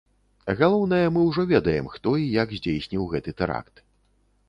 Галоўнае, мы ўжо ведаем, хто і як здзейсніў гэты тэракт.